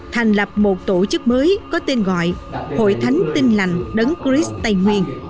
thành lập một tổ chức mới có tên gọi hội thánh tin lành đấng christ tây nguyên